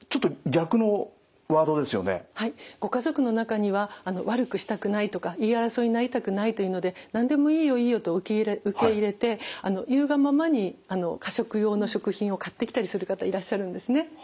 ご家族の中には悪くしたくないとか言い争いになりたくないというので何でも「いいよいいよ」と受け入れて言うがままに過食用の食品を買ってきたりする方いらっしゃるんですね。